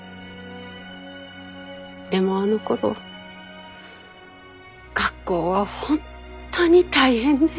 でもあのころ学校は本当に大変で。